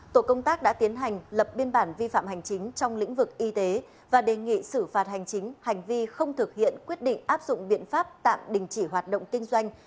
tổ công tác đã tiến hành lập biên bản vi phạm hành chính trong lĩnh vực y tế và đề nghị xử phạt hành chính hành vi không thực hiện quyết định áp dụng biện pháp tạm đình chỉ hoạt động kinh doanh